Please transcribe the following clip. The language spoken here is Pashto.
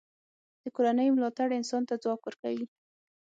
د کورنۍ ملاتړ انسان ته ځواک ورکوي.